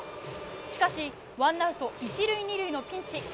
しかしワンアウト１塁２塁のピンチ。